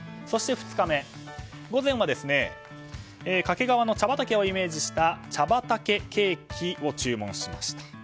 そして２日目午前は掛川の茶畑をイメージしたＣＨＡＢＡＴＡＫＥケーキを注文しました。